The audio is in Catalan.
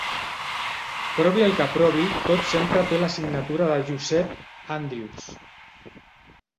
Provi el que provi, tot sempre té la signatura de Giuseppe Andrews.